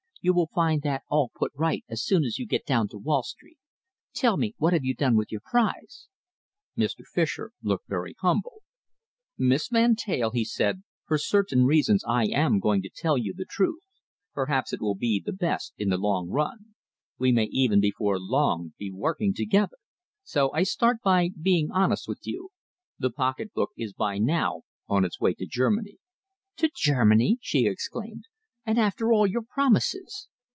"You will find that all put right as soon as you get down to Wall Street. Tell me, what have you done with your prize?" Mr. Fischer looked very humble. "Miss Van Teyl," he said, "for certain reasons I am going to tell you the truth. Perhaps it will be the best in the long run. We may even before long be working together. So I start by being honest with you. The pocketbook is by now on its way to Germany." "To Germany?" she exclaimed. "And after all your promises!"